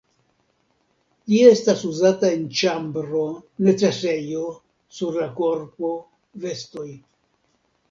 Ĝi estas uzata en ĉambro, necesejo, sur la korpo, vestoj.